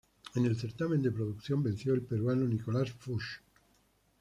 En el certamen de producción venció el peruano Nicolás Fuchs.